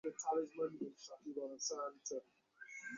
রাজলক্ষ্মী কহিলেন, কিছুই বলি নাই।